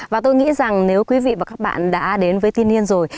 và tôi nghĩ rằng nếu quý vị và các bạn đã đến với tin niên rồi